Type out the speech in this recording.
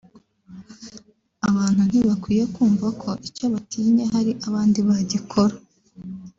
abantu ntibakwiye kumva ko icyo batinye hari abandi bagikora